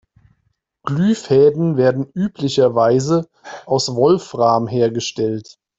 Glühfäden werden üblicherweise aus Wolfram hergestellt.